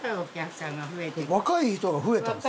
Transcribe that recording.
若い人が増えたんですか？